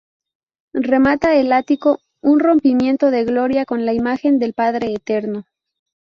Remata el ático un rompimiento de gloria con la imagen del Padre Eterno.